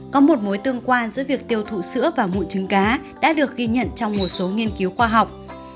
có một mối tương quan giữa việc tiêu thụ sữa và mụi trứng cá đã được ghi nhận trong một số nghiên cứu khoa học